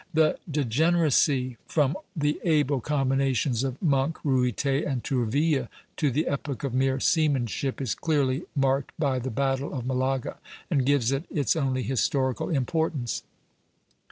The degeneracy from the able combinations of Monk, Ruyter, and Tourville to the epoch of mere seamanship is clearly marked by the battle of Malaga, and gives it its only historical importance.